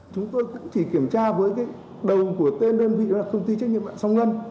chúng tôi cũng chỉ kiểm tra với cái đầu của tên đơn vị đó là công ty trách nhiệm mạng song ngân